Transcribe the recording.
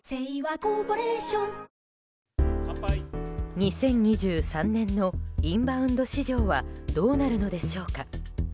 ２０２３年のインバウンド市場はどうなるのでしょうか。